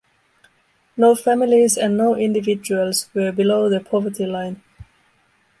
No families and no individuals were below the poverty line.